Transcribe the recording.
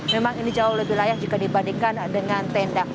memang ini jauh lebih layak jika dibandingkan dengan tenda